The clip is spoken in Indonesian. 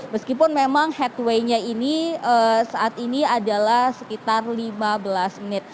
meskipun memang headway nya ini saat ini adalah sekitar lima belas menit